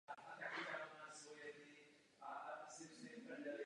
Jeho bratr Petr a synové František a Lukáš se také úspěšně věnovali závodní cyklistice.